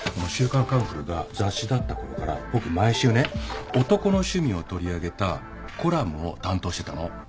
『週刊カンフル』が雑誌だったころから僕毎週ね男の趣味を取り上げたコラムを担当してたの。